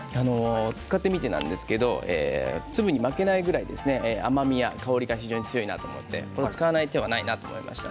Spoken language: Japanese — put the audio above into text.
使ってみてなんですけど粒に負けないぐらい甘みや香りが非常に強いなと思って使わない手はないなと思いました。